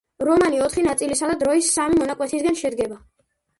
რომანი ოთხი ნაწილისა და დროის სამი მონაკვეთისგან შედგება.